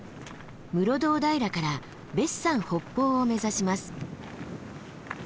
室堂平から別山北峰を目指します。